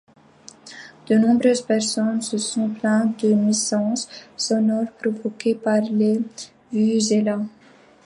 De nombreuses personnes se sont plaintes des nuisances sonores provoquées par les vuvuzelas.